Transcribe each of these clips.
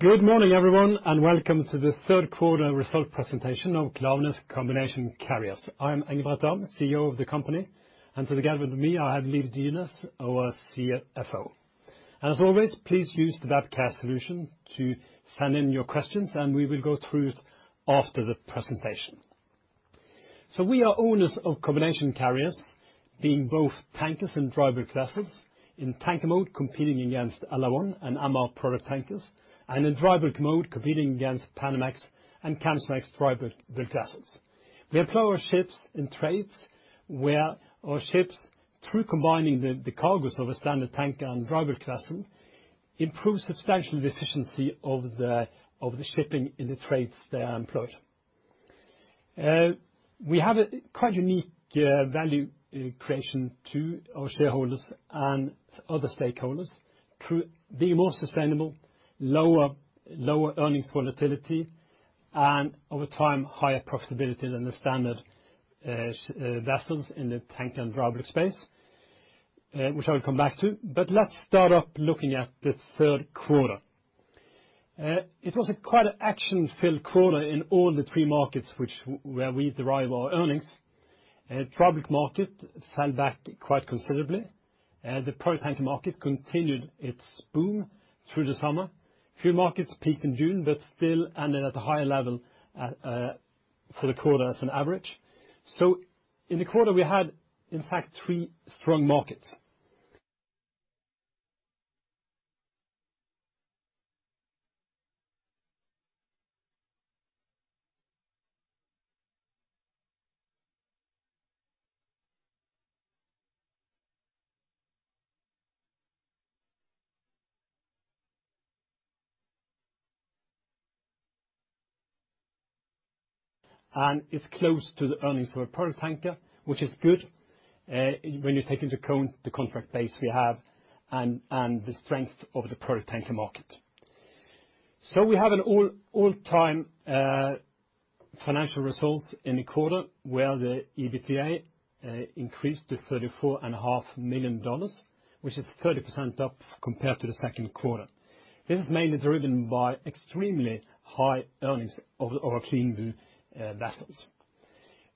Good morning, everyone, and welcome to the third quarter result presentation of Klaveness Combination Carriers. I am Engebret Dahm, CEO of the company, and together with me, I have Liv Dyrnes, our CFO. As always, please use the webcast solution to send in your questions, and we will go through it after the presentation. We are owners of Combination Carriers, being both tankers and Dry Bulk Vessels. In tanker mode, competing against LR1 and MR Product Tankers, and in dry bulk mode, competing against Panamax and Kamsarmax Dry Bulk Vessels. We employ our ships in trades where our ships, through combining the cargos of a standard tanker and dry bulk vessel, improves substantially the efficiency of the shipping in the trades they are employed. We have a quite unique value creation to our shareholders and other stakeholders through being more sustainable, lower earnings volatility, and over time, higher profitability than the standard vessels in the tanker and dry bulk space, which I will come back to. Let's start off looking at the third quarter. It was quite an action-filled quarter in all the three markets which we derive our earnings. Dry Bulk Market fell back quite considerably. The Product Tanker Market continued its boom through the summer. Few markets peaked in June, but still ended at a higher level for the quarter as an average. In the quarter, we had, in fact, three strong markets. It's close to the earnings of a product tanker, which is good, when you take into the contract base we have and the strength of the Product Tanker Market. We have an all-time financial results in the quarter where the EBITDA increased to $34.5 million, which is 30% up compared to the second quarter. This is mainly driven by extremely high earnings of our CLEANBU vessels.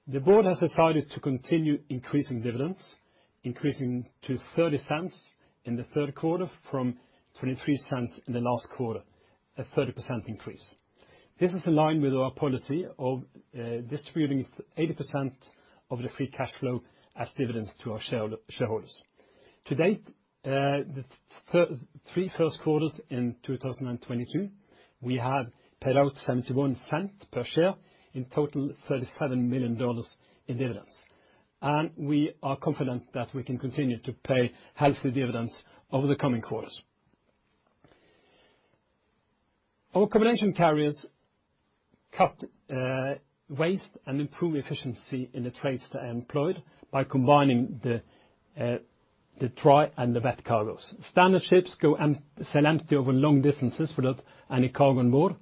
The board has decided to continue increasing dividends, increasing to $0.30 in the third quarter from $0.23 in the last quarter, a 30% increase. This is in line with our policy of distributing 80% of the free cash flow as dividends to our shareholders. To date, the first three quarters in 2022, we have paid out $0.71 per share, in total 37 million in dividends. We are confident that we can continue to pay healthy dividends over the coming quarters. Our Combination Carriers cut waste and improve efficiency in the trades they are employed by combining the dry and the wet cargos. Standard ships sail empty over long distances without any cargo on board.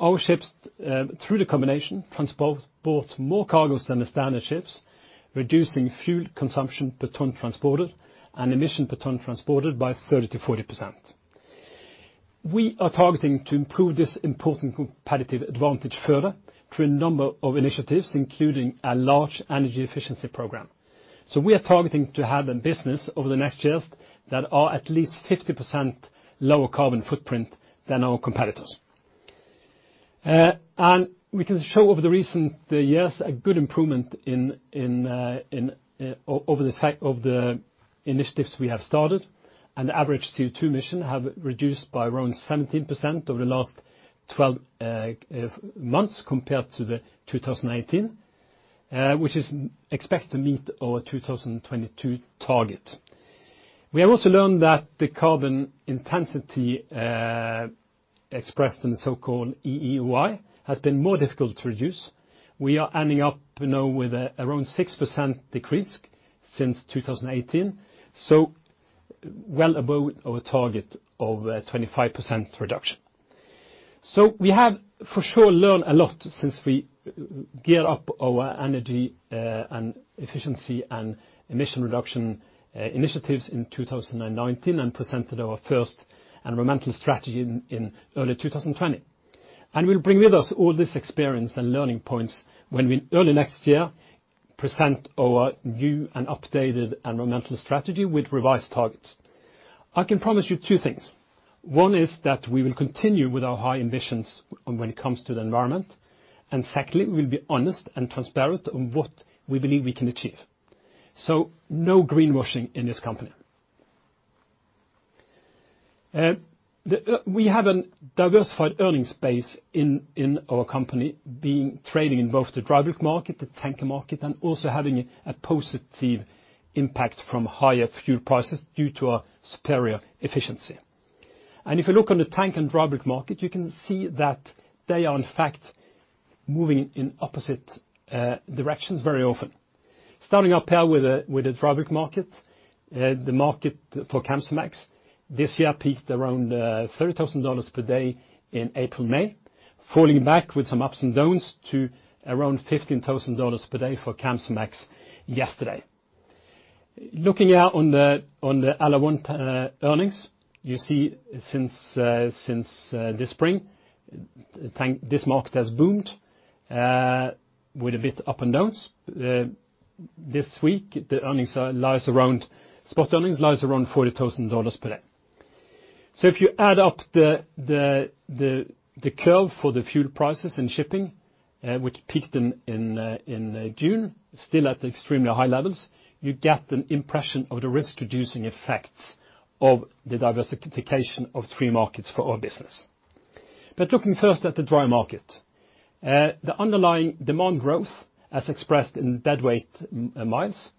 Our ships through the combination transport both more cargos than the standard ships, reducing fuel consumption per ton transported and emission per ton transported by 30%-40%. We are targeting to improve this important competitive advantage further through a number of initiatives, including a large Energy Eficiency program. We are targeting to have a business over the next years that are at least 50% lower carbon footprint than our competitors. We can show over the recent years a good improvement in over the effects of the initiatives we have started, and the average CO2 emission have reduced by around 17% over the last 12 months compared to the 2018, which is expected to meet our 2022 target. We have also learned that the Carbon Intensity, expressed in the so-called EEOI, has been more difficult to reduce. We are ending up now with around 6% decrease since 2018, so well above our target of a 25% reduction. We have, for sure, learned a lot since we gear up our energy, and efficiency and emission reduction, initiatives in 2019 and presented our first environmental strategy in early 2020. We'll bring with us all this experience and learning points when we early next year present our new and updated environmental strategy with revised targets. I can promise you two things. One is that we will continue with our high ambitions on when it comes to the environment. Secondly, we will be honest and transparent on what we believe we can achieve. No greenwashing in this company. We have a diversified earnings base in our company, being trading in both the Dry Bulk Market, the tanker market, and also having a positive impact from higher fuel prices due to our superior efficiency. If you look on the tanker and Dry Bulk Market, you can see that they are, in fact, moving in opposite directions very often. Starting up here with the Dry Bulk Market, the market for Kamsarmax this year peaked around $30,000 per day in April, May, falling back with some ups and downs to around $15,000 per day for Kamsarmax yesterday. Looking out on the other one, earnings, you see since this spring, this market has boomed with a bit ups and downs. This week, spot earnings lie around $40,000 per day. If you add up the curve for the fuel prices and shipping, which peaked in June, still at extremely high levels, you get an impression of the risk-reducing effects of the diversification of three markets for our business. Looking first at the dry market, the underlying demand growth, as expressed in deadweight-miles,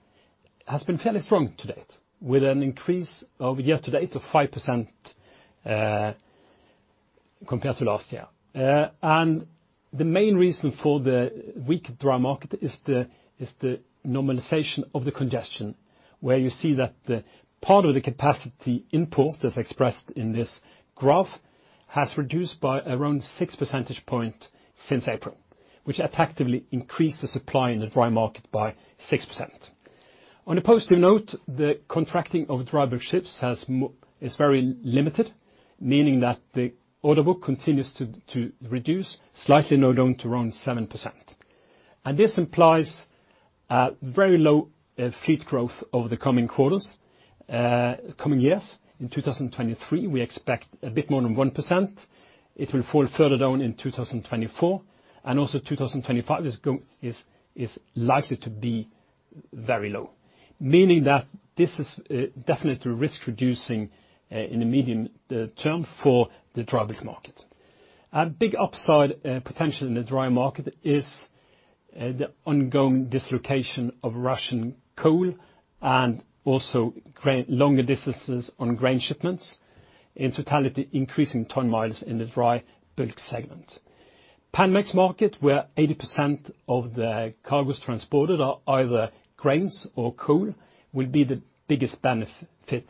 has been fairly strong to date, with an increase year-to-date of 5%, compared to last year. The main reason for the weak dry market is the normalization of the congestion, where you see that the part of the capacity import, as expressed in this graph, has reduced by around six percentage point since April, which effectively increased the supply in the dry market by 6%. On a positive note, the contracting of dry bulk ships is very limited, meaning that the order book continues to reduce slightly, now down to around 7%. This implies a very low fleet growth over the coming quarters, coming years. In 2023, we expect a bit more than 1%. It will fall further down in 2024, and also 2025 is likely to be very low, meaning that this is definitely risk-reducing in the medium term for the Dry Bulk Market. A big upside potential in the dry market is the ongoing dislocation of Russian coal and also longer distances on grain shipments, in totality, increasing ton-miles in the dry bulk segment. Panamax market, where 80% of the cargo is transported are either grains or coal, will be the biggest benefit,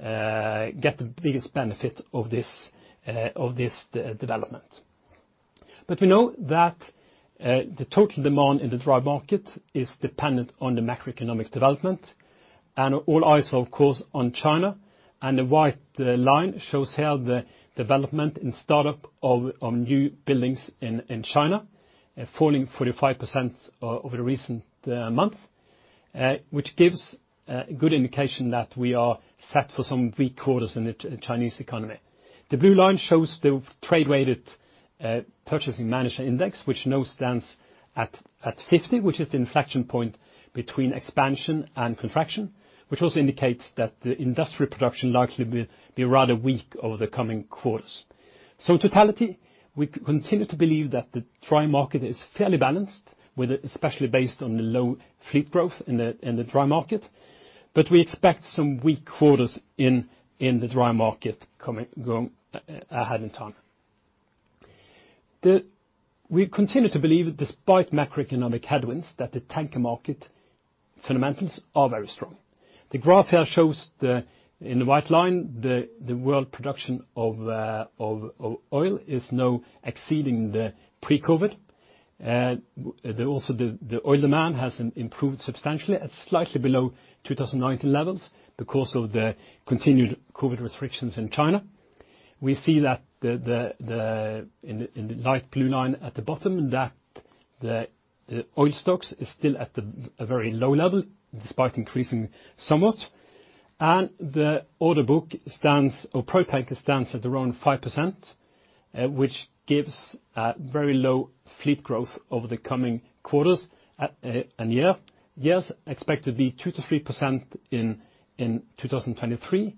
get the biggest benefit of this development. We know that the total demand in the dry market is dependent on the macroeconomic development and all eyes, of course, on China and the white line shows how the development and startup of new buildings in China, falling 45% over the recent month, which gives a good indication that we are set for some weak quarters in the Chinese economy. The blue line shows the trade-weighted Purchasing Managers' Index, which now stands at 50, which is the inflection point between expansion and contraction, which also indicates that the industrial production likely will be rather weak over the coming quarters. In totality, we continue to believe that the dry market is fairly balanced, with it especially based on the low fleet growth in the dry market. We expect some weak quarters in the dry market ahead in time. We continue to believe that despite macroeconomic headwinds, that the tanker market fundamentals are very strong. The graph here shows, in the white line, the world production of oil is now exceeding the pre-COVID. The oil demand has improved substantially at slightly below 2019 levels because of the continued COVID restrictions in China. We see that, in the light blue line at the bottom, that the oil stocks is still at a very low level, despite increasing somewhat. The order book stands, or product tanker stands at around 5%, which gives a very low fleet growth over the coming quarters, and year. Years expected to be 2%-3% in 2023.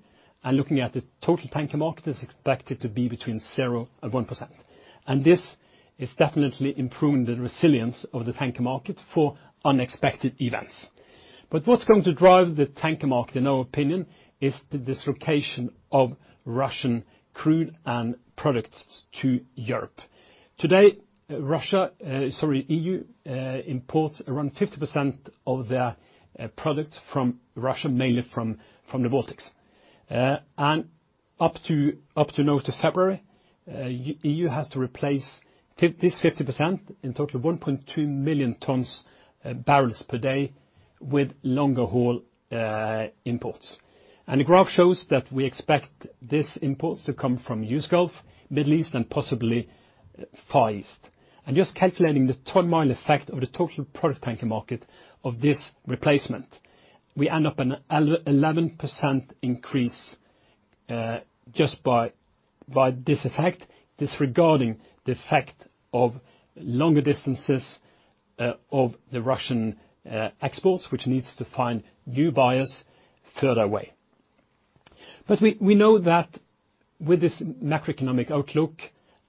Looking at the total tanker market is expected to be between 0% and 1%. This is definitely improving the resilience of the tanker market for unexpected events. What's going to drive the tanker market, in our opinion, is the dislocation of Russian crude and products to Europe. Today, EU imports around 50% of their products from Russia, mainly from the Baltics. Up to now to February, EU has to replace this 50%, in total 1.2 million barrels per day, with longer haul imports. The graph shows that we expect these imports to come from U.S. Gulf, Middle East, and possibly Far East. Just calculating the ton-mile effect of the total Product Tanker Market of this replacement, we end up an 11% increase, just by this effect, disregarding the effect of longer distances, of the Russian exports, which needs to find new buyers further away. We know that with this macroeconomic outlook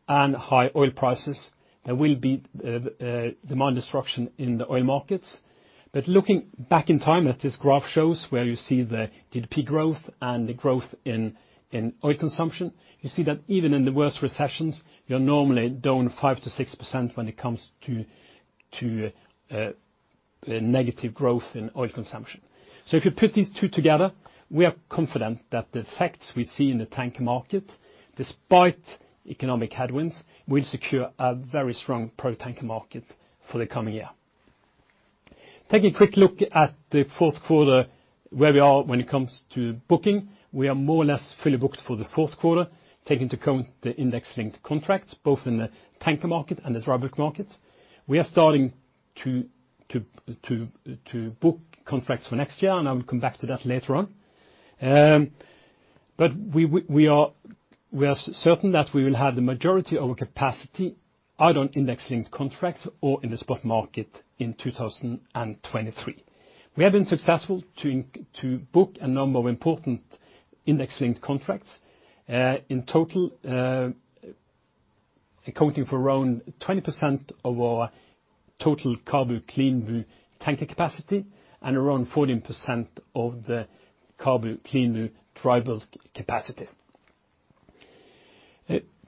and high oil prices, there will be the demand disruption in the oil markets. Looking back in time, as this graph shows, where you see the GDP growth and the growth in oil consumption, you see that even in the worst recessions, you're normally down 5%-6% when it comes to negative growth in oil consumption. If you put these two together. We are confident that the effects we see in the tanker market, despite economic headwinds, will secure a very strong Product Tanker Market for the coming year. Take a quick look at the fourth quarter, where we are when it comes to booking. We are more or less fully booked for the fourth quarter, taking into account the index-linked contracts, both in the tanker market and the Dry Bulk Markets. We are starting to book contracts for next year, and I will come back to that later on. But we are certain that we will have the majority of our capacity out on index-linked contracts or in the spot market in 2023. We have been successful to book a number of important index-linked contracts, in total, accounting for around 20% of our total CABU/CLEANBU tanker capacity and around 14% of the CABU/CLEANBU dry bulk capacity.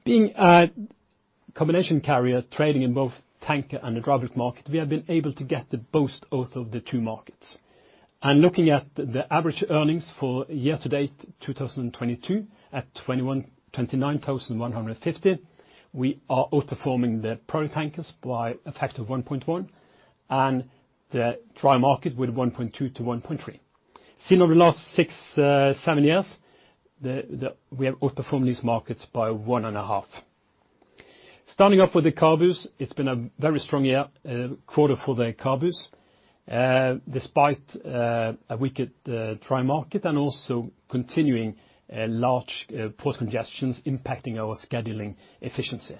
Being a combination carrier trading in both tanker and the Dry Bulk market, we have been able to get the best of both of the two markets. Looking at the average earnings for year-to-date 2022 at $29,150, we are outperforming the product tankers by a factor of 1.1%, and the dry market with 1.2%-1.3%. Still over the last six, seven years, we have outperformed these markets by 1.5%. Starting off with the CABUs, it's been a very strong year, quarter for the CABUs, despite a weaker dry market and also continuing large port congestions impacting our scheduling efficiency.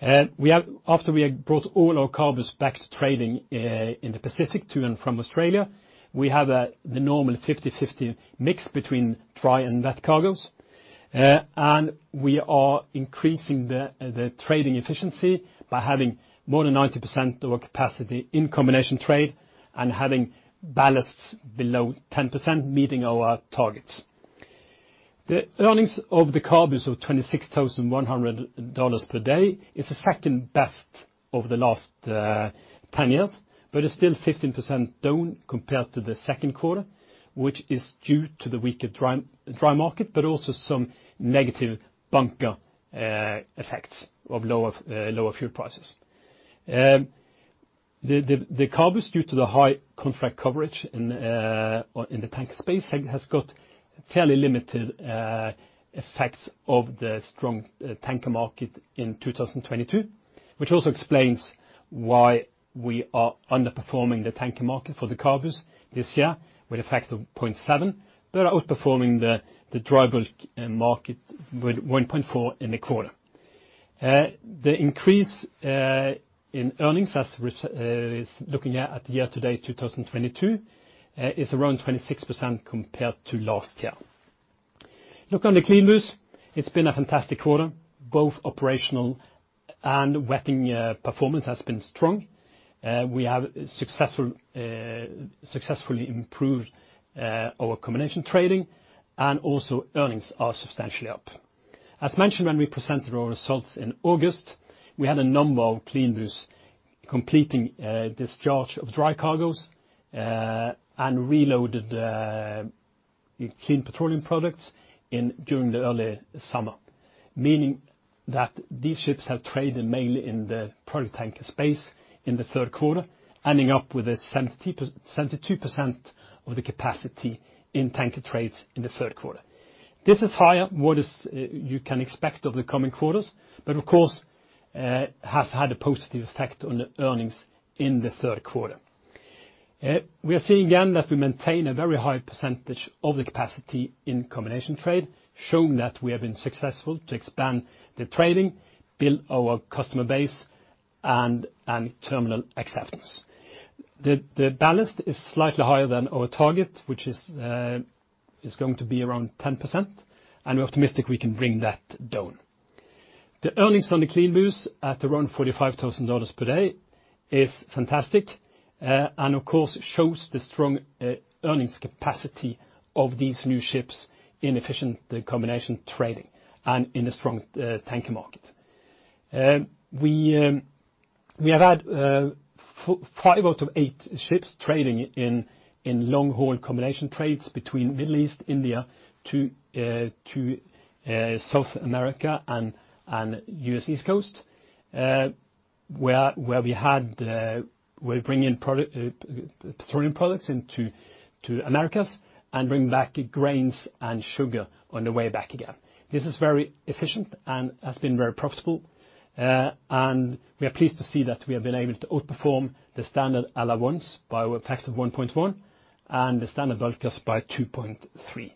After we have brought all our CABUs back to trading in the Pacific to and from Australia, we have the normal 50/50 mix between dry and wet cargoes. We are increasing the trading efficiency by having more than 90% of our capacity in combination trade and having ballasts below 10% meeting our targets. The earnings of the CABUs of $26,100 per day is the second best over the last 10 years, but it's still 15% down compared to the second quarter, which is due to the weaker dry market, but also some negative bunker effects of lower fuel prices. The CABUs, due to the high contract coverage in the tanker space, has got fairly limited effects of the strong tanker market in 2022, which also explains why we are underperforming the tanker market for the CABUs this year with a factor of 0.7%, but are outperforming the Dry Bulk Market with 1.4% in the quarter. The increase in earnings, looking at the year-to-date 2022, is around 26% compared to last year. Look on the CLEANBUs. It's been a fantastic quarter, both operational and freight performance has been strong. We have successfully improved our Combination Trading and also earnings are substantially up. As mentioned when we presented our results in August, we had a number of CLEANBUs completing discharge of dry cargoes and reloaded clean petroleum products during the early summer. Meaning that these ships have traded mainly in the product tanker space in the third quarter, ending up with a 72% of the capacity in tanker trades in the third quarter. This is higher than what you can expect of the coming quarters, but of course has had a positive effect on the earnings in the third quarter. We are seeing again that we maintain a very high percentage of the capacity in combination trade, showing that we have been successful to expand the trading, build our customer base, and terminal acceptance. The ballast is slightly higher than our target, which is going to be around 10%, and we're optimistic we can bring that down. The earnings on the CLEANBUs at around $45,000 per day is fantastic, and of course shows the strong earnings capacity of these new ships in the efficient Combination Trading and in a strong tanker market. We have had five out of eight ships trading in long-haul combination trades between Middle East, India to South America and U.S. East Coast, where we bring in petroleum products into Americas and bring back grains and sugar on the way back again. This is very efficient and has been very profitable. We are pleased to see that we have been able to outperform the standard LR1 by a factor of 1.1% and the standard bulk by 2.3%.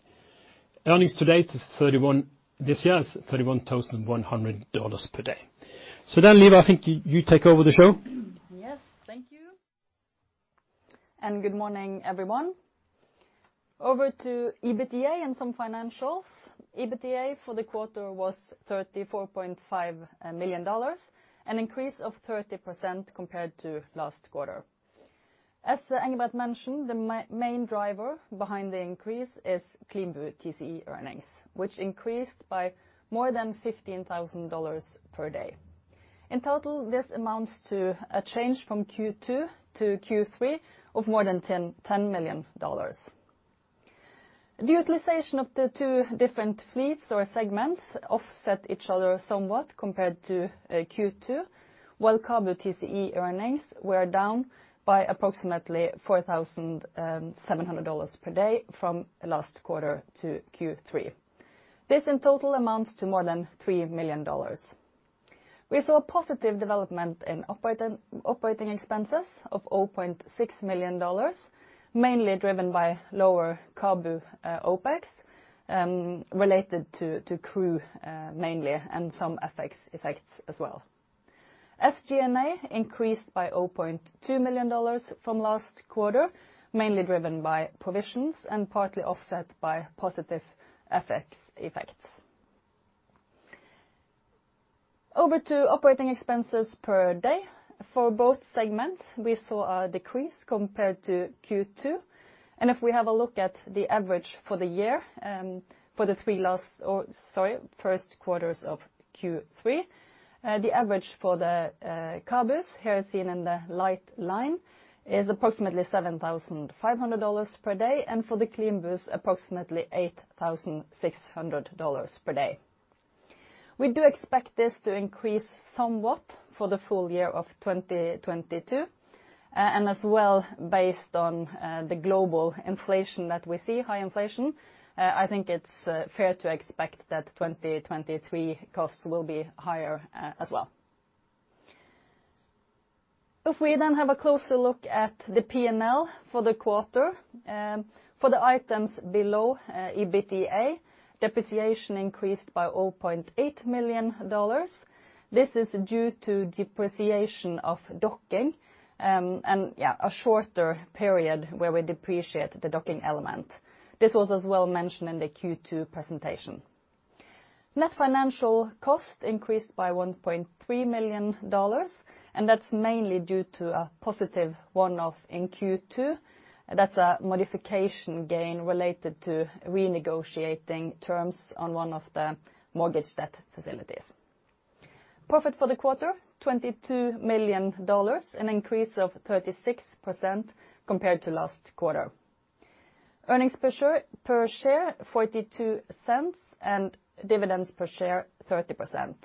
Earnings to date this year is $31,100 per day. Liv, I think you take over the show. Yes, thank you. Good morning, everyone. Over to EBITDA and some financials. EBITDA for the quarter was $34.5 million, an increase of 30% compared to last quarter. As Engebret mentioned, the main driver behind the increase is CLEANBU's TCE Earnings, which increased by more than $15,000 per day. In total, this amounts to a change from Q2 to Q3 of more than $10 million. The utilization of the two different fleets or segments offset each other somewhat compared to Q2, while CABU TCE Earnings were down by approximately $4,700 per day from last quarter to Q3. This in total amounts to more than $3 million. We saw a positive development in operating expenses of $0.6 million, mainly driven by lower CABU OpEx related to crew mainly, and some effects as well. SG&A increased by $0.2 million from last quarter, mainly driven by provisions and partly offset by positive effects. Over to operating expenses per day. For both segments, we saw a decrease compared to Q2, and if we have a look at the average for the year, for the first three quarters, the average for the CABUs, here seen in the light line, is approximately $7,500 per day, and for the CLEANBUs approximately $8,600 per day. We do expect this to increase somewhat for the full year of 2022, and as well based on the global inflation that we see, high inflation, I think it's fair to expect that 2023 costs will be higher, as well. If we then have a closer look at the P&L for the quarter, for the items below EBITDA, depreciation increased by $0.8 million. This is due to depreciation of docking and a shorter period where we depreciate the docking element. This was as well mentioned in the Q2 presentation. Net financial cost increased by $1.3 million, and that's mainly due to a positive one-off in Q2. That's a modification gain related to renegotiating terms on one of the mortgage debt facilities. Profit for the quarter, $22 million, an increase of 36% compared to last quarter. Earnings per share $0.42, and dividends per share $0.30.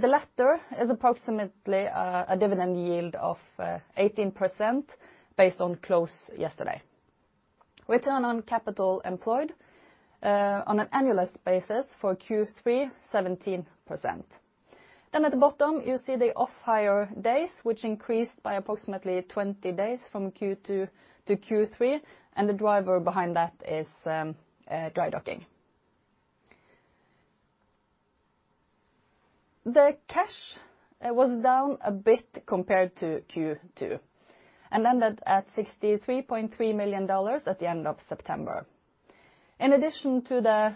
The latter is approximately a dividend yield of 18% based on close yesterday. Return on capital employed on an annualized basis for Q3, 17%. At the bottom, you see the off-hire days, which increased by approximately 20 days from Q2 to Q3, and the driver behind that is dry docking. The cash was down a bit compared to Q2, and ended at $63.3 million at the end of September. In addition to the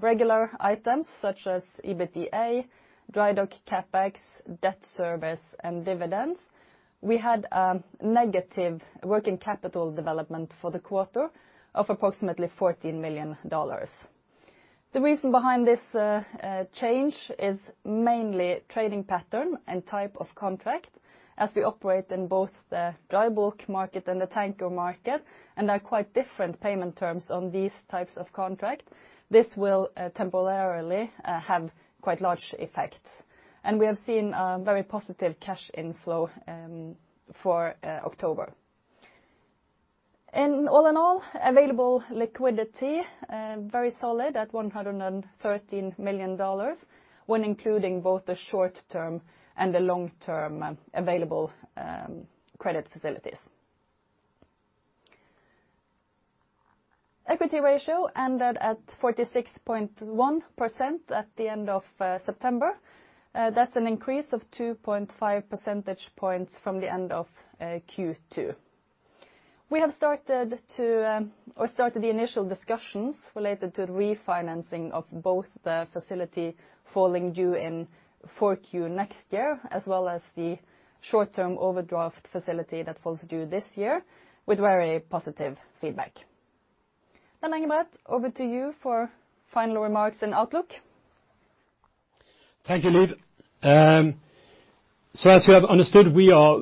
regular items such as EBITDA, dry dock CapEx, Debt Service, and dividends, we had a negative working capital development for the quarter of approximately $14 million. The reason behind this change is mainly trading pattern and type of contract as we operate in both the Dry Bulk Market and the tanker market, and there are quite different payment terms on these types of contract. This will temporarily have quite large effects. We have seen a very positive cash inflow for October. All in all, available liquidity very solid at $113 million, when including both the short-term and the long-term available Credit Facilities. Equity Ratio ended at 46.1% at the end of September. That's an increase of 2.5 percentage points from the end of Q2. We have started the initial discussions related to refinancing of both the facility falling due in 4Q next year, as well as the short-term overdraft facility that falls due this year, with very positive feedback. Engebret, over to you for final remarks and outlook. Thank you, Liv. So as you have understood, we are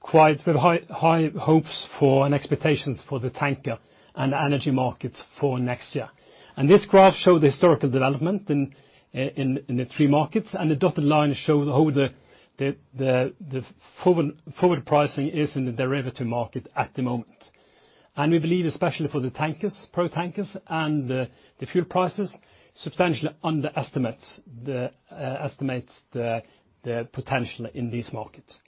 quite with high hopes for and expectations for the tanker and energy markets for next year. This graph show the historical development in the three markets, and the dotted line show how the forward pricing is in the derivative market at the moment. We believe especially for the tankers, product tankers and the forward prices substantially underestimates the potential in these markets.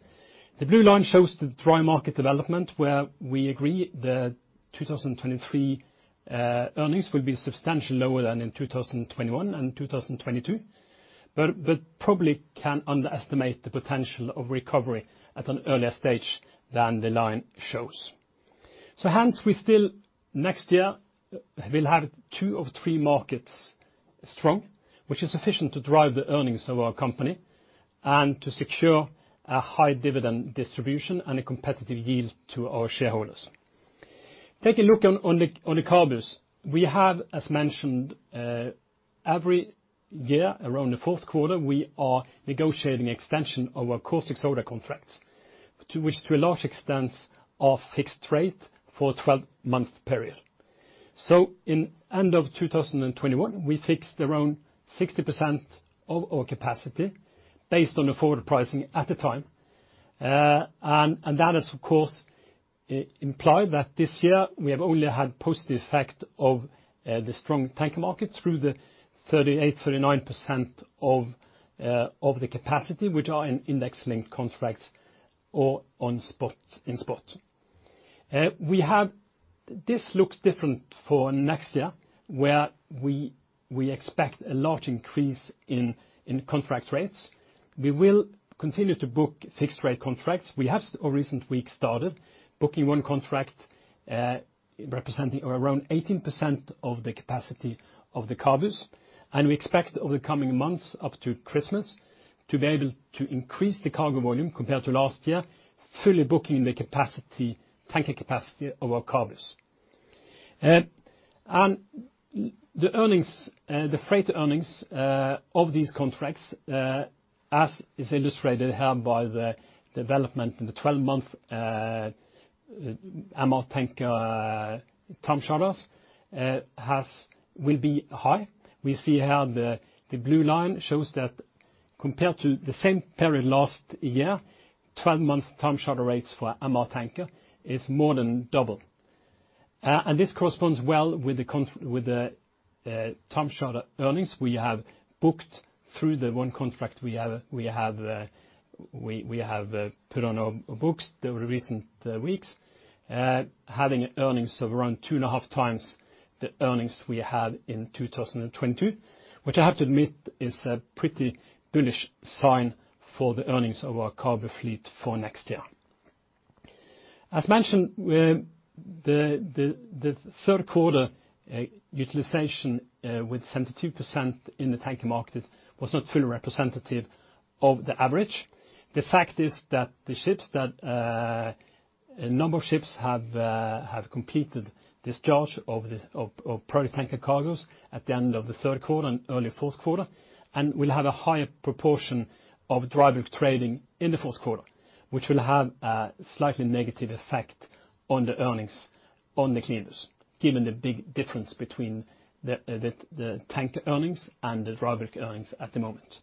The blue line shows the dry market development where we agree the 2023 earnings will be substantially lower than in 2021 and 2022, but probably can underestimate the potential of recovery at an earlier stage than the line shows. Hence we still next year will have two of three markets strong, which is sufficient to drive the earnings of our company and to secure a high dividend distribution and a competitive yield to our shareholders. Take a look on the CABUs. We have as mentioned, every year around the fourth quarter, we are negotiating extension of our caustic soda contracts to which a large extent are fixed rate for a 12-month period. In end of 2021, we fixed around 60% of our capacity based on the forward pricing at the time. And that is, of course, implied that this year we have only had positive effect of the strong tanker market through the 38%-39% of the capacity which are in index linked contracts or on spot. This looks different for next year, where we expect a large increase in contract rates. We will continue to book fixed rate contracts. We have over recent weeks started booking one contract, representing around 18% of the capacity of the CABUs, and we expect over the coming months up to Christmas to be able to increase the cargo volume compared to last year, fully booking the capacity, tanker capacity of our CABUs. The earnings, the freight earnings, of these contracts, as is illustrated here by the development in the 12-month MR tanker time charters, will be high. We see how the blue line shows that compared to the same period last year, 12-month time charter rates for MR tanker is more than double. This corresponds well with the time charter earnings we have booked through the one contract we have put on our books in the recent weeks, having earnings of around 2.5x the earnings we had in 2022, which I have to admit is a pretty bullish sign for the earnings of our CABU fleet for next year. As mentioned, the third quarter utilization with 72% in the tanker market was not fully representative of the average. The fact is that a number of ships have completed discharge of product tanker cargoes at the end of the third quarter and early fourth quarter and will have a higher proportion of dry bulk trading in the fourth quarter, which will have a slightly negative effect on the earnings on the CLEANBUs, given the big difference between the tanker earnings and the dry bulk earnings at the moment.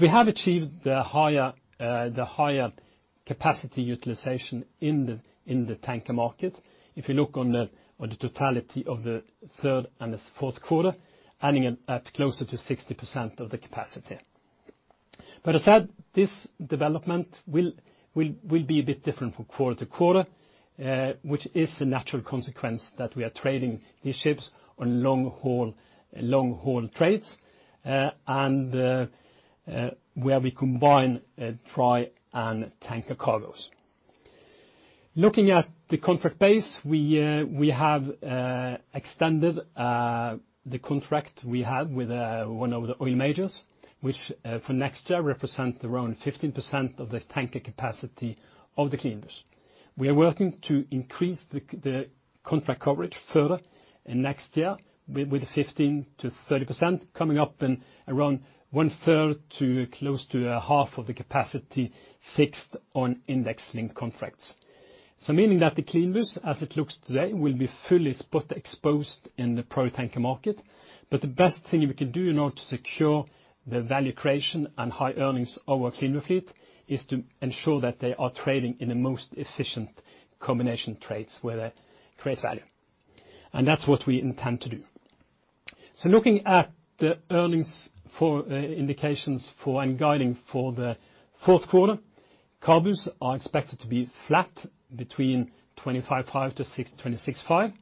We have achieved the higher capacity utilization in the tanker market. If you look on the totality of the third and the fourth quarter, ending at closer to 60% of the capacity. As said, this development will be a bit different from quarter to quarter, which is the natural consequence that we are trading these ships on long haul trades, and where we combine dry and tanker cargoes. Looking at the contract base, we have extended the contract we have with one of the oil majors, which for next year represents around 15% of the tanker capacity of the CLEANBUs. We are working to increase the contract coverage further in next year with 15%-30% coming up in around one-third to close to a half of the capacity fixed on index linked contracts. Meaning that the CLEANBUs as it looks today will be fully spot exposed in the Product Tanker Market. The best thing we can do in order to secure the value creation and high earnings of our cleaner fleet is to ensure that they are trading in the most efficient combination trades where they create value. That's what we intend to do. Looking at the earnings indications and guiding for the fourth quarter, CABUs are expected to be flat between $25.5 and 26.5.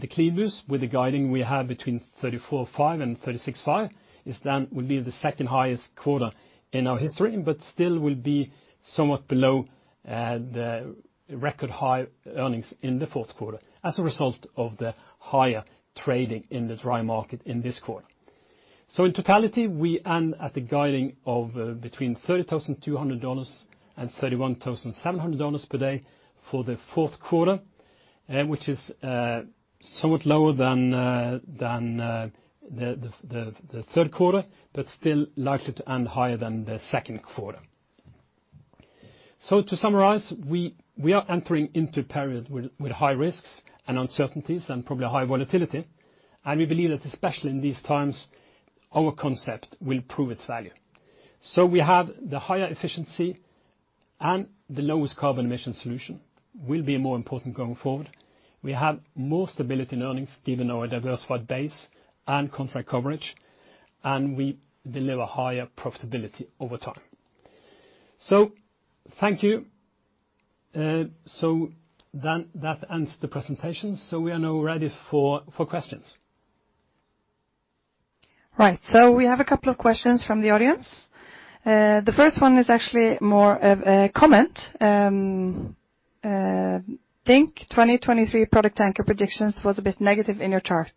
The CLEANBUs with the guiding we have between $34.5 and 36.5 is then will be the second highest quarter in our history, but still will be somewhat below the record high earnings in the fourth quarter as a result of the higher trading in the dry market in this quarter. In totality, we end at the guiding of between $30,200 and 31,700 per day for the fourth quarter, which is somewhat lower than the third quarter, but still likely to end higher than the second quarter. To summarize, we are entering into a period with high risks and uncertainties and probably high volatility, and we believe that especially in these times, our concept will prove its value. We have the higher efficiency and the lowest carbon emission solution will be more important going forward. We have more stability in earnings given our diversified base and contract coverage, and we deliver higher profitability over time. Thank you. Then that ends the presentation. We are now ready for questions. Right. We have a couple of questions from the audience. The first one is actually more of a comment. Think 2023 product tanker predictions was a bit negative in your chart.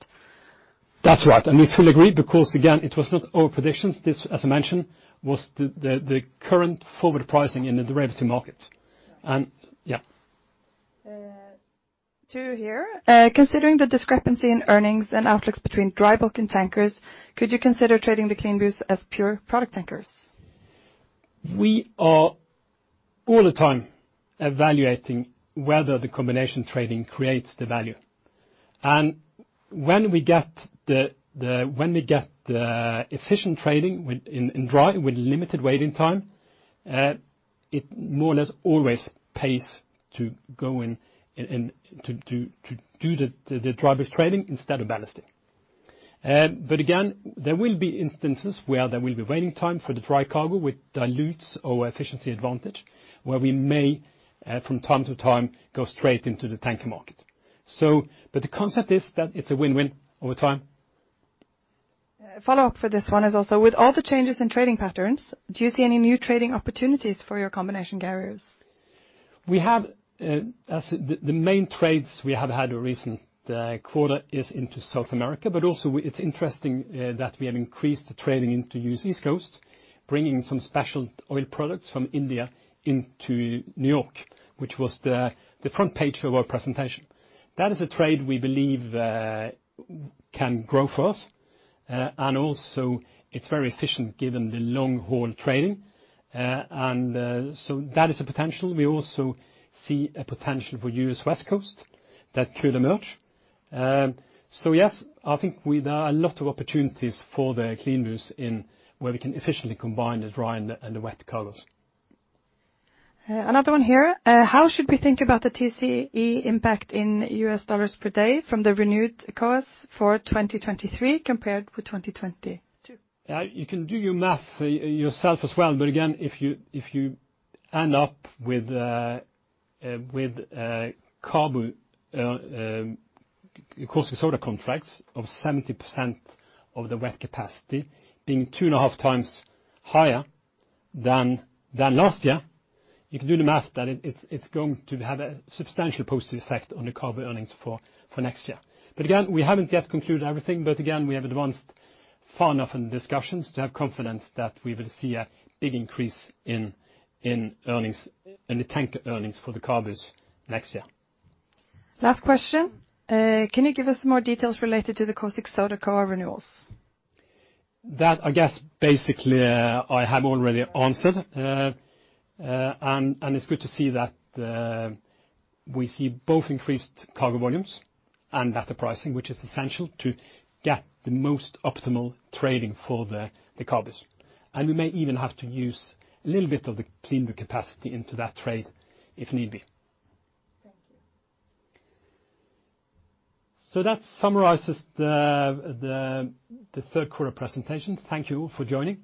That's right, and we fully agree because again, it was not our predictions. This, as I mentioned, was the current forward pricing in the derivative markets. Yeah. Two here. Considering the discrepancy in earnings and outlooks between dry bulk and tankers, could you consider trading the CLEANBUs as pure product tankers? We are all the time evaluating whether the Combination Trading creates the value. When we get the efficient trading within dry with limited waiting time, it more or less always pays to go and to do the dry bulk trading instead of ballasting. Again, there will be instances where there will be waiting time for the dry cargo, which dilutes our efficiency advantage, where we may from time to time go straight into the tanker market. The concept is that it's a win-win over time. Follow-up for this one is also, with all the changes in trading patterns, do you see any new trading opportunities for your Combination Carriers? We have as the main trades we have had recent quarter is into South America, but also it's interesting that we have increased the trading into U.S. East Coast, bringing some special oil products from India into New York, which was the front page of our presentation. That is a trade we believe can grow for us, and also it's very efficient given the long-haul trading. That is a potential. We also see a potential for U.S. West Coast that could emerge. I think there are a lot of opportunities for the CLEANBUs in which we can efficiently combine the dry and the wet cargoes. Another one here. How should we think about the TCE impact in $ per day from the renewed COAs for 2023 compared with 2022? You can do your math yourself as well. If you end up with cargo Caustic Soda contracts of 70% of the wet capacity being 2.5 times higher than last year, you can do the math that it's going to have a substantial positive effect on the cargo earnings for next year. We haven't yet concluded everything. We have advanced far enough in the discussions to have confidence that we will see a big increase in earnings in the tanker earnings for the cargos next year. Last question. Can you give us more details related to the Caustic Soda COA renewals? That, I guess, basically, I have already answered. It's good to see that we see both increased cargo volumes and better pricing, which is essential to get the most optimal trading for the cargos. We may even have to use a little bit of the CLEANBU capacity into that trade if need be. Thank you. That summarizes the third quarter presentation. Thank you for joining,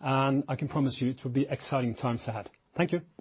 and I can promise you it will be exciting times ahead. Thank you.